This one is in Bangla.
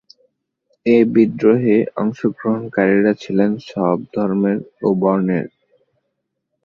এ বিদ্রোহে অংশগ্রহণকারীরা ছিলেন সব ধর্মের ও বর্ণের।